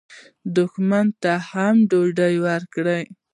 دښمن ته هم ډوډۍ ورکړئ